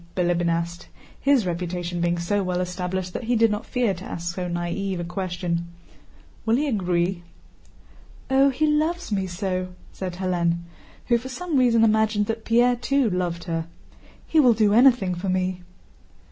Bilíbin asked, his reputation being so well established that he did not fear to ask so naïve a question. "Will he agree?" "Oh, he loves me so!" said Hélène, who for some reason imagined that Pierre too loved her. "He will do anything for me."